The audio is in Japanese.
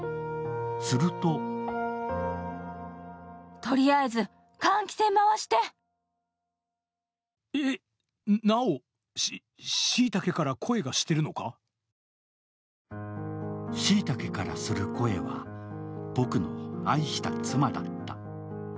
すると椎茸からする声は僕の愛した妻だった。